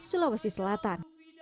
di sulawesi selatan